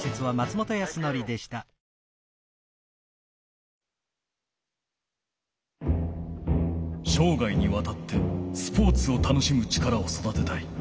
しょうがいにわたってスポーツをたのしむ力をそだてたい。